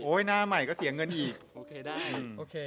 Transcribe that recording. โอเคขอบคุณค่ะ